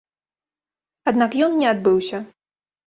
Аднак ён не адбыўся.